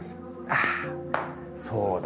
ああそうだ。